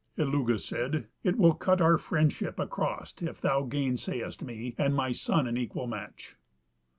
Illugi said, "It will cut our friendship across if thou gainsayest me and my son an equal match."